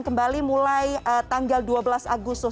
kembali mulai tanggal dua belas agustus